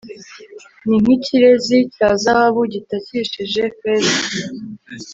ni nk'ikirezi cya zahabu gitakishije feza